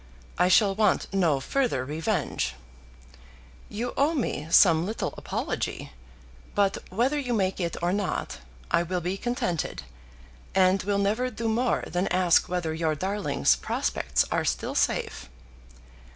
I shall want no further revenge. You owe me some little apology; but whether you make it or not, I will be contented, and will never do more than ask whether your darling's prospects are still safe.